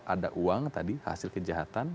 ada uang tadi hasil kejahatan